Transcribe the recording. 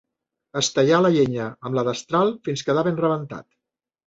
Estellar la llenya amb la destral fins quedar ben rebentat.